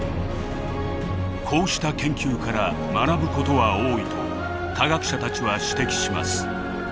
こうした研究から学ぶことは多いと科学者たちは指摘します。